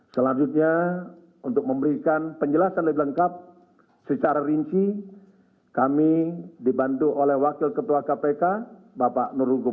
selanjutnya untuk memberikan penjelasan lebih lengkap secara rinci kami dibantu oleh wakil ketua kpk bapak nur hugo